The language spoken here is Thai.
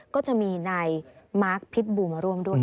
ก็จะมีนายมาร์คพิษบูมาร่วมด้วย